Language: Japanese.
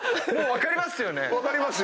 もう分かりますよね。